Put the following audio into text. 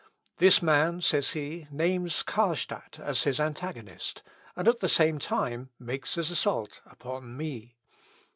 "This man," said he, "names Carlstadt as his antagonist, and at the same time makes his assault upon me.